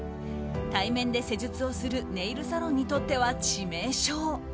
対面で施術をするネイルサロンにとっては致命傷。